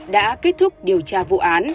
đã kết thúc điều tra vụ án